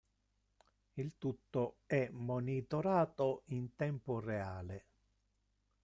Il tutto è monitorato in tempo reale.